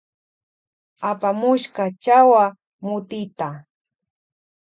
Apamushka chawa moteta.